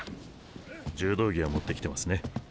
柔道着は持ってきてますね。